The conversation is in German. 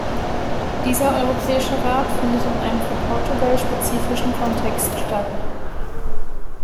Dieser Europäische Rat findet in einem für Portugal spezifischen Kontext statt.